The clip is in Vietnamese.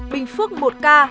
bình phước một ca